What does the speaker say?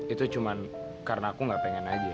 itu cuma karena aku gak pengen lagi ya